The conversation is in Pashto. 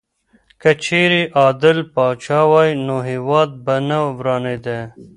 که چېرې عادل پاچا وای نو هېواد به نه ورانېدی.